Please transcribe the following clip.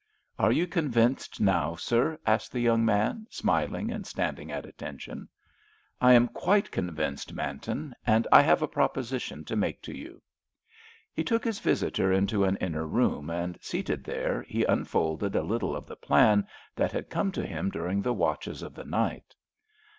"Are you convinced now, sir?" asked the young man, smiling and standing at attention. "I am quite convinced, Manton, and I have a proposition to make to you." He took his visitor into an inner room, and, seated there, he unfolded a little of the plan that had come to him during the watches of the night.